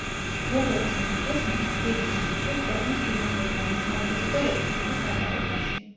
როგორც მეფეს მას წვლილი მიუძღვის ქვეყნის ფინანსურ განვითარებასა და რეფორმების გატარებაში.